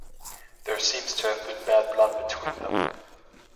There seems to have been bad blood between them.